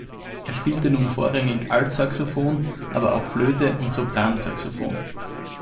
Er spielte nun vorrangig Altsaxophon, aber auch Flöte und Sopransaxophon.